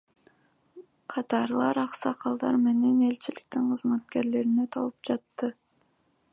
Катарлар аксакалдар менен элчиликтин кызматкерлерине толуп жатты.